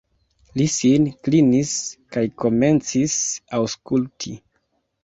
Li sin klinis kaj komencis aŭskulti.